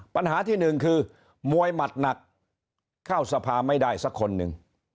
ปัญหาที่หนึ่งคือมวยหมัดหนักเข้าสภาไม่ได้สักคนหนึ่ง